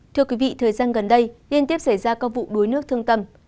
thưa quý vị thời gian gần đây liên tiếp xảy ra các vụ đuối nước thương tâm